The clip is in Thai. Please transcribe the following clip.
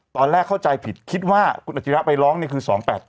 ตอนแรกเข้าใจผิดคิดว่าคุณอาชิระไปร้องนี่คือ๒๘๘